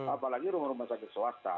apalagi rumah rumah sakit swasta